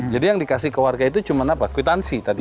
jadi yang dikasih ke warga itu cuma apa kuitansi tadi